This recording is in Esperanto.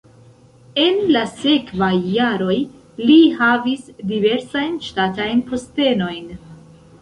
En la sekvaj jaroj li havis diversajn ŝtatajn postenojn.